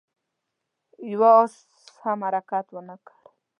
يوه آس هم حرکت ونه کړ.